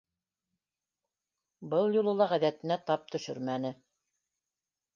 Был юлы ла ғәҙәтенә тап төшөрмәне.